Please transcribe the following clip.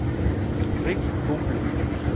Rick cumple.